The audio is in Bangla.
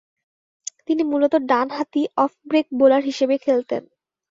তিনি মূলতঃ ডানহাতি অফ ব্রেক বোলার হিসেবে খেলতেন।